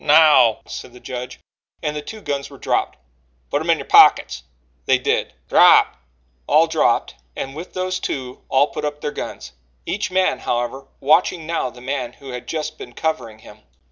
"Now!" said the judge, and the two guns were dropped. "Put 'em in yo' pockets." They did. "Drap!" All dropped and, with those two, all put up their guns each man, however, watching now the man who had just been covering him.